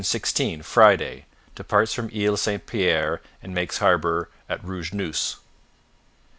16 Friday Departs from Isles St Pierre and makes harbour at Rougenouse.